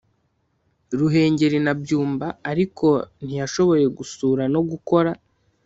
Ruhengeri na Byumba Ariko ntiyashoboye gusura no gukora